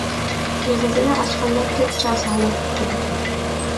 ئېغىزىنى ئاچقاندا تۆت چاسا ھالەتكە كېلىدۇ.